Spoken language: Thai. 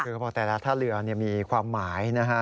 ก็พอแต่ละท่าเรือเนี่ยมีความหมายนะคะ